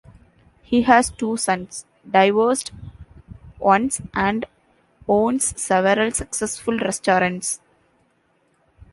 He has two sons, divorced once, and owns several successful restaurants.